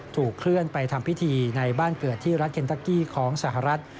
ถูกเคลื่อนไปทำพิธีในบ้านเกิดที่รัฐเคนตะกี้ของสหรัฐ